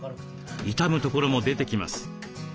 傷むところも出てきます。